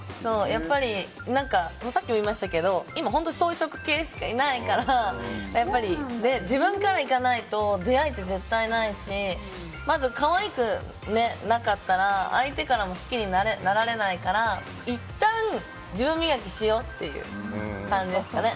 さっきも言いましたけど今、本当に草食系しかいないからやっぱり自分からいかないと出会いって絶対ないしまず可愛くなかったら相手からも好きになられないからいったん、自分磨きしよという感じですかね。